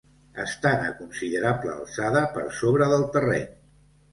Estan a considerable alçada per sobre del terreny.